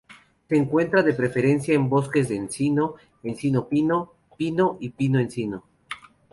Se encuentra de preferencia en bosques de encino, de encino-pino, pino y pino-encino.